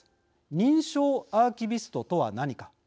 認証アーキビストとは何か。